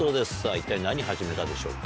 一体何始めたでしょうか？